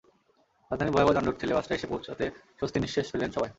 রাজধানীর ভয়াবহ যানজট ঠেলে বাসটা এসে পৌঁছাতে স্বস্তির নিশ্বাস ফেললেন সবাই।